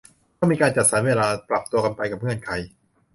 ต้องมีการจัดสรรเวลา ปรับตัวกันไปกับเงื่อนไข